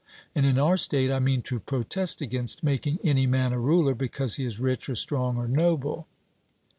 And in our state I mean to protest against making any man a ruler because he is rich, or strong, or noble.